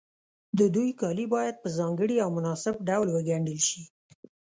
د دوی کالي باید په ځانګړي او مناسب ډول وګنډل شي.